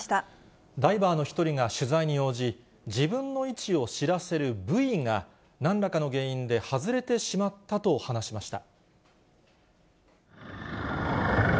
ダイバーの１人が取材に応じ、自分の位置を知らせるブイが、なんらかの原因で外れてしまったと話しました。